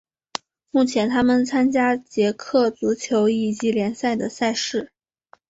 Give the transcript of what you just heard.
目前他们参加捷克足球乙级联赛的赛事。